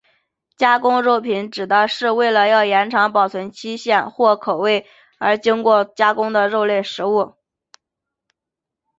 加工肉品指的是为了要延长保存期限或口味而经过加工的肉类食物。